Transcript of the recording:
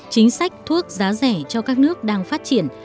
chính sách thuốc giá rẻ cho các nước đang phát triển